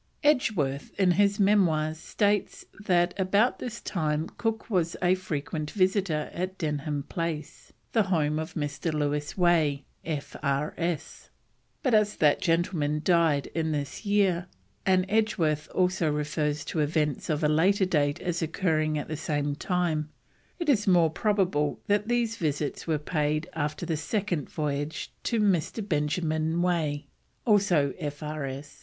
Edgeworth, in his Memoirs, states that about this time Cook was a frequent visitor at Denham Place, the home of Mr. Louis Way, F.R.S., but as that gentleman died in this year, and Edgeworth also refers to events of a later date as occurring at the same time, it is more probable that these visits were paid after the Second Voyage to Mr. Benjamin Way, also F.R.S.